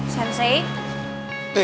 sampai jumpa lagi